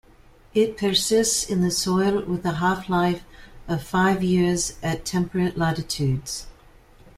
It persists in the soil with a half-life of five years at temperate latitudes.